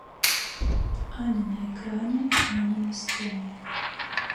Ані на экране, ані на сцэне.